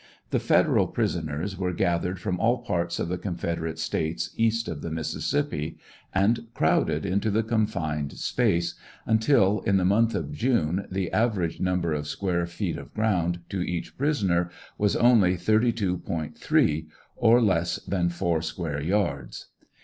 The Federal prisoners were gathered from all parts of the Confederate States east of the Mississippi, and 174 ^ REBEL TESTIMONY. crowded into the confined space, until, in the month of June the average number of square feet of ground to each prisoner was only 32.3 or less than four square yards.